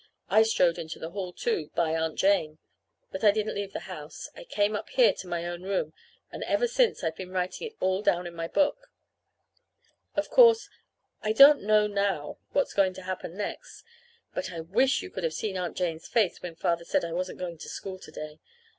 I strode into the hall, too, by Aunt Jane. But I didn't leave the house. I came up here to my own room; and ever since I've been writing it all down in my book. Of course, I don't know now what's going to happen next. But I wish you could have seen Aunt Jane's face when Father said I wasn't going to school to day!